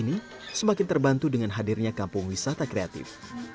dan saat ini semakin terbantu dengan hadirnya kampung wisata kreatif